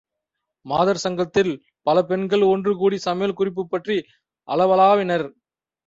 மாதர் சங்கத்தில் பல பெண்கள் ஒன்றுகூடி சமையல் குறிப்புப் பற்றி அளவளாவினர்.